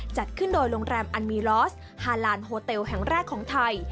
จัดขึ้นโดยโรงแรมอันมีลอสฮาลานโฮเตลแห่งแรกของไทย